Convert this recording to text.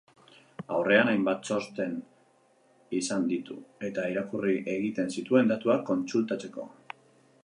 Aurrean hainbat txosten izan ditu, eta irakurri egiten zituen datuak kontsultatzeko.